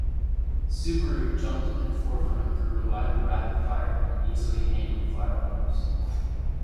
Seburo jumped into the forefront through reliable rapid fire and easily handled firearms.